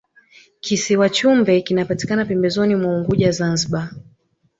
kisiwa chumbe kinapatikana pembezoni mwa unguja zanzibar